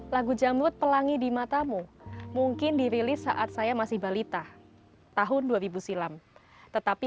lagu jamur pelangi di matamu mungkin dirilis saat saya masih balita tahun dua ribu silam tetapi